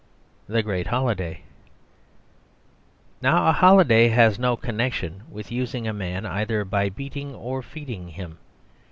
The Great Holiday Now a holiday has no connection with using a man either by beating or feeding him.